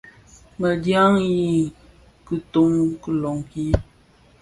Medyan i kiton lonkin.